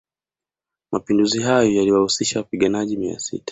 Mapinduzi hayo yaliwahusisha wapaiganaji mia sita